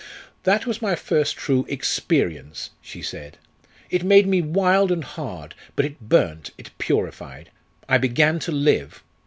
"That was my first true experience," she said; "it made me wild and hard, but it burnt, it purified. I began to live.